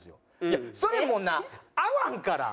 いやそれもな合わんから。